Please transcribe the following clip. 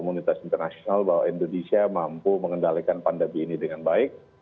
komunitas internasional bahwa indonesia mampu mengendalikan pandemi ini dengan baik